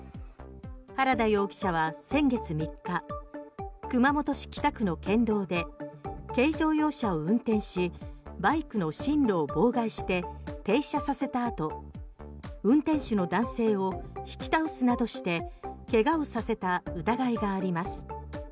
原田容疑者は先月３日熊本市北区の県道で軽乗用車を運転しバイクの進路を妨害して停車させたあと運転手の男性を引き倒すなどして怪我をさせた疑いがあります。